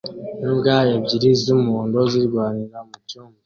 Imbwa ebyiri z'umuhondo zirwanira mucyumba